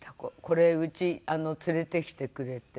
これうち連れて来てくれて。